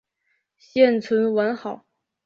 现存完好。